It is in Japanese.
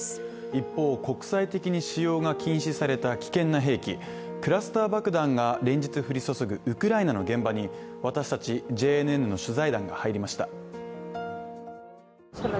一方、国際的に使用が禁止された危険な兵器クラスター爆弾が連日降り注ぐウクライナの現場に私達、ＪＮＮの取材団が入りました。